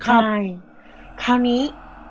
ใช่คราวนี้